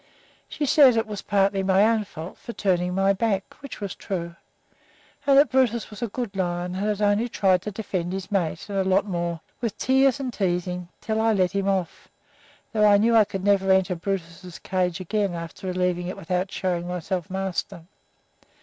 She said it was partly my own fault for turning my back, which was true, and that Brutus was a good lion and had only tried to defend his mate, and a lot more, with tears and teasing, until I let him off, although I knew I could never enter Brutus's cage again after leaving it without showing myself master.